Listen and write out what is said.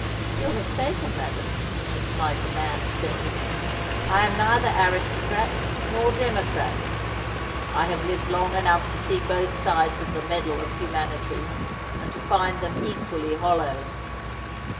"You are mistaken, madam," replied the man of sentiment, "I am neither aristocrat nor democrat; I have lived long enough to see both sides of the medal of humanity, and to find them equally hollow.